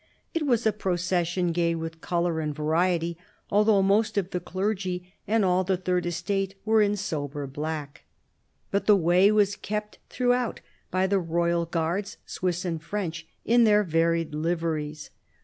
It was a pro cession gay with colour and variety, although most of the clergy and all the Third Estate were in sober black But the way was kept throughout by the royal guards, Swiss and French, in their varied liveries.